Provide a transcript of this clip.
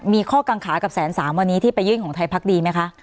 มีข้อกังขากับแสนสามวันนี้ที่ไปยื่นของไทยพักดีไหมคะ